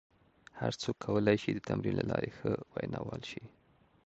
هر څوک کولای شي د تمرین له لارې ښه ویناوال شي.